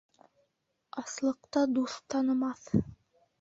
Аслыҡта дуҫ танымаҫ